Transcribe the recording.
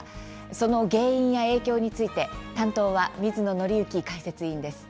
その原因や影響について担当は水野倫之解説委員です。